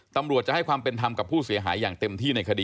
ตำรวจจะให้ความเป็นทำกับผู้เสียหายอย่างเต็มที่ในคณะถามไซนะครับ